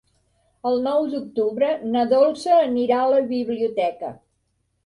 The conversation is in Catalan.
El nou d'octubre na Dolça anirà a la biblioteca.